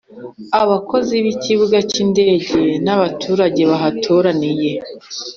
abakozi b ikibuga cy indege n abaturage bahaturiye